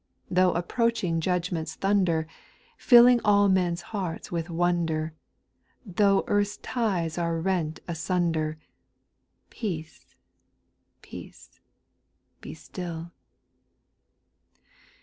Though approaching judgments thunder, Filling all men's hearts with wonder, Though earth's ties are rent asunder, Peace, peace, be still.